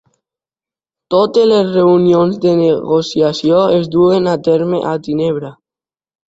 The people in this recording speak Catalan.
Totes les reunions de negociació es duen a terme a Ginebra.